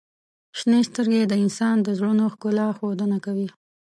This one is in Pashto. • شنې سترګې د انسان د زړونو ښکلا ښودنه کوي.